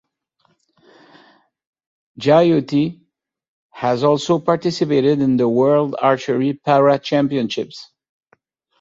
Jyoti has also participated in the World archery para championships.